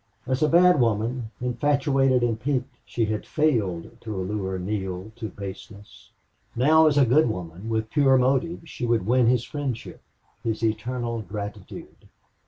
As a bad woman, infatuated and piqued, she had failed to allure Neale to baseness; now as a good woman, with pure motive, she would win his friendship, his eternal gratitude.